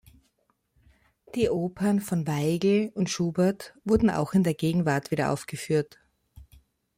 Die Opern von Weigl und Schubert wurden auch in der Gegenwart wieder aufgeführt.